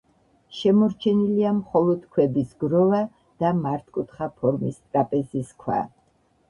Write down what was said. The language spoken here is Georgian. შემორჩენილია მხოლოდ ქვების გროვა და მართკუთხა ფორმის ტრაპეზის ქვა.